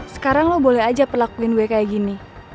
sekarang lo boleh aja perlakuin gue kayak gini